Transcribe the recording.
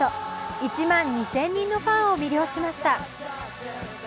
１万２０００人のファンを魅了しました。